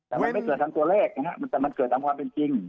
แต่มันไม่เกิดทางตัวเลขแต่มันเกิดตามความเป็นจริง